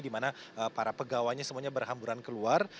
dimana para pegawanya semuanya berhamburan keluar